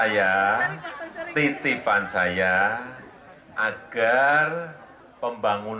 yang akan dikembangkan